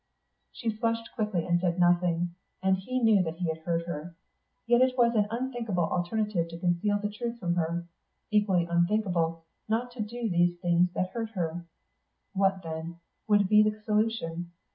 She flushed quickly and said nothing, and he knew that he had hurt her. Yet it was an unthinkable alternative to conceal the truth from her; equally unthinkable not to do these things that hurt her. What then, would be the solution?